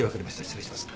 失礼します。